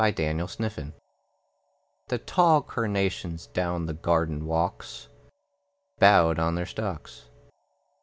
The Sleepers The tall carnations down the garden walks Bowed on their stalks.